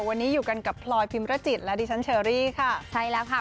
วันนี้อยู่กันกับพลอยพิมรจิตและดิฉันเชอรี่ค่ะใช่แล้วค่ะ